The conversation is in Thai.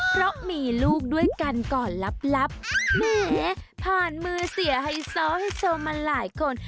เพราะมีลูกด้วยกันก่อนลับแหมผ่านมือเสียไฮโซไฮโซมาหลายคน